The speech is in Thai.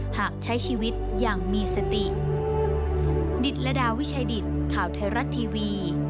หากใช้ชีวิตอย่างมีสติ